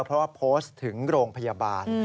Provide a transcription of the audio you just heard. เพราะว่าโพสต์ถึงโรงพยาบาล